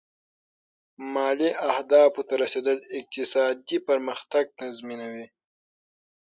مالي اهدافو ته رسېدل اقتصادي پرمختګ تضمینوي.